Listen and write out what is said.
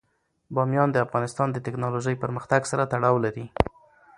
بامیان د افغانستان د تکنالوژۍ پرمختګ سره تړاو لري.